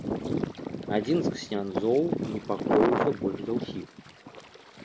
Адзін з ксяндзоў непакоіўся больш за ўсіх.